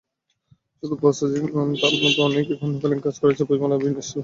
শুধু প্রসেনজিৎই নন, তাঁর মতো অনেকেই খণ্ডকালীন কাজ করছেন বইমেলার বিভিন্ন স্টলে।